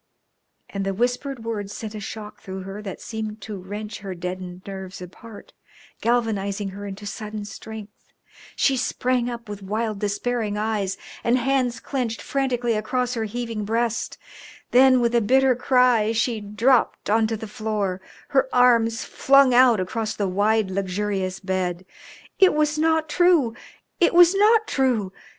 And the whispered words sent a shock through her that seemed to wrench her deadened nerves apart, galvanising her into sudden strength. She sprang up with wild, despairing eyes, and hands clenched frantically across her heaving breast; then, with a bitter cry, she dropped on to the floor, her arms flung out across the wide, luxurious bed. It was not true! It was not true!